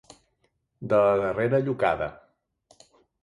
De la darrera llocada.